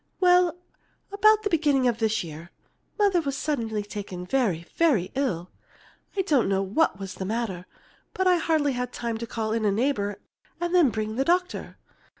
"Well, about the beginning of this year, Mother was suddenly taken very, very ill. I don't know what was the matter, but I hardly had time to call in a neighbor and then bring the doctor."